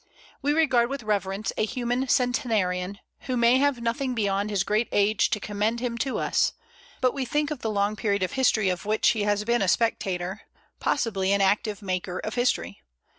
We regard with reverence a human centenarian, who may have nothing beyond his great age to commend him to us; but we think of the long period of history of which he has been a spectator, possibly an active maker of history.